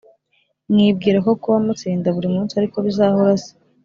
mwibwira ko kuba mutsinda buri munsi ariko bizahora se